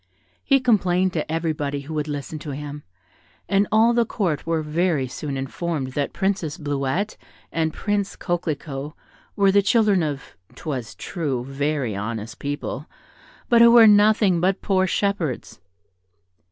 He complained to everybody who would listen to him, and all the Court were very soon informed that Princess Bleuette and Prince Coquelicot were the children of, 'twas true, very honest people, but who were nothing but poor shepherds.